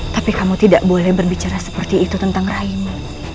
tapi kamu tidak boleh berbicara seperti itu tentang raimu